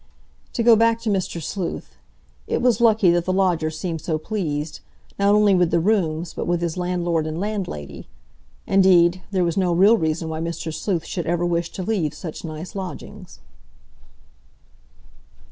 To go back to Mr. Sleuth; it was lucky that the lodger seemed so pleased, not only with the rooms, but with his landlord and landlady—indeed, there was no real reason why Mr. Sleuth should ever wish to leave such nice lodgings.